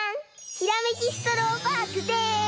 ひらめきストローパークです！